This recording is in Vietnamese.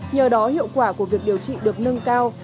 nhờ đó hiệu quả của việc điều trị được nâng cao